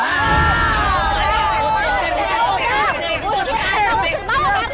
ya ampun pak